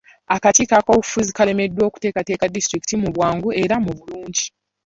Akakiiko akafuzi kalemereddwa okuteekateekera disitulikiti mu bwangu era mu bulungi.